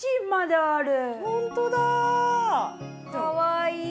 かわいい！